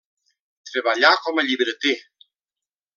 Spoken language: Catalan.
Treballà com a llibreter.